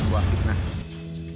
dekatnya pelaku di dekatnya